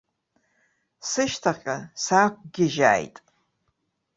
Сышьҭахьҟа саақәгьежьааит.